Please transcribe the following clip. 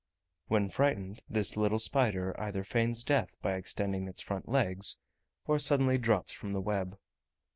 When frightened, this little spider either feigns death by extending its front legs, or suddenly drops from the web.